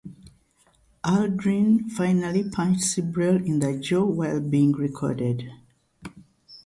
Aldrin finally punched Sibrel in the jaw, while being recorded.